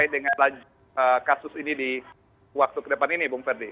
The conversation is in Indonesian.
dengan kasus ini di waktu kedepan ini bung ferdi